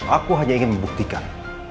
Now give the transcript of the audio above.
aku hanya ingin membuktikan